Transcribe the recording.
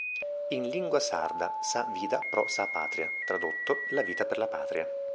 In lingua sarda "Sa vida pro sa Patria", tradotto "La vita per la Patria".